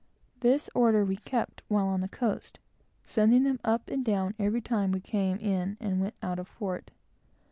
This order, we always kept while on the coast; sending them up and down every time we came in and went out of port.